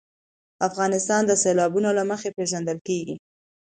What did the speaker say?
افغانستان د سیلابونه له مخې پېژندل کېږي.